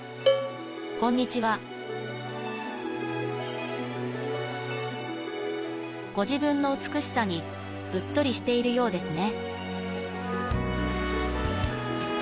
こんにちはご自分の美しさにうっとりしているようですね